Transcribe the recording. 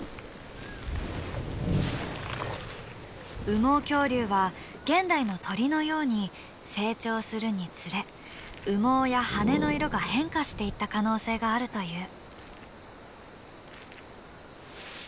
羽毛恐竜は現代の鳥のように成長するにつれ羽毛や羽根の色が変化していった可能性があるという。